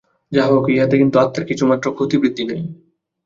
যাহা হউক, ইহাতে কিন্তু আত্মার কিছুমাত্র ক্ষতিবৃদ্ধি নাই।